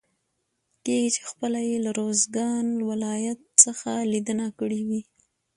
کېږي چې خپله يې له روزګان ولايت څخه ليدنه کړي وي.